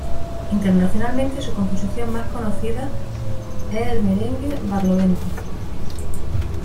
Internacionalmente, su composición más conocida es el merengue "Barlovento".